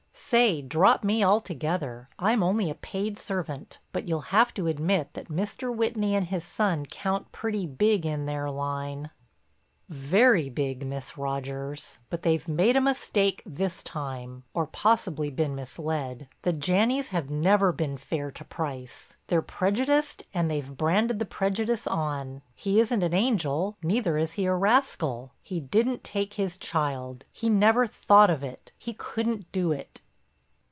"Say, drop me altogether. I'm only a paid servant. But you'll have to admit that Mr. Whitney and his son count pretty big in their line." "Very big, Miss Rogers. But they've made a mistake this time—or possibly been misled. The Janneys have never been fair to Price. They're prejudiced and they've branded the prejudice on. He isn't an angel, neither is he a rascal. He didn't take his child, he never thought of it, he couldn't do it."